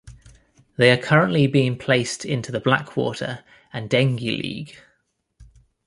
They are currently being placed into the Blackwater and Dengie League.